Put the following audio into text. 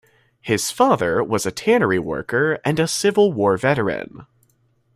His father was a tannery worker and a Civil War veteran.